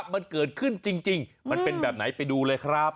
มันเกิดขึ้นจริงมันเป็นแบบไหนไปดูเลยครับ